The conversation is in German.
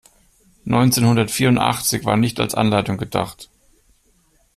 Neunzehnhundertvierundachtzig war nicht als Anleitung gedacht.